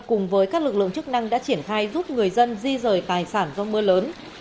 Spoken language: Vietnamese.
cùng với các lực lượng chức năng đã triển khai giúp người dân di rời tài sản do mưa lớn